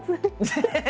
ハハハハ！